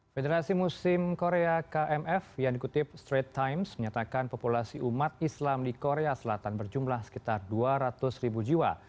federasi muslim korea kmf yang dikutip straight times menyatakan populasi umat islam di korea selatan berjumlah sekitar dua ratus ribu jiwa